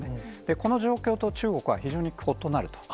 この状況と中国は非常に異なると。